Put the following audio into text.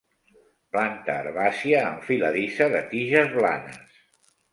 Planta herbàcia enfiladissa de tiges blanes.